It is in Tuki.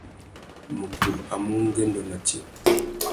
Mutu a mú ungüêndô nà tsi.